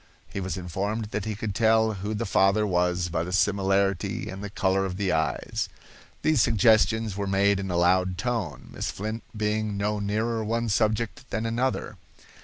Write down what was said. He was informed that he could tell who the father was by the similarity and the color of the eyes. These suggestions were made in a loud tone, Miss Flint being no nearer one subject than another.